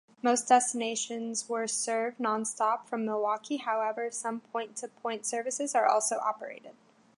Most destinations were served nonstop from Milwaukee; however, some point-to-point services were also operated.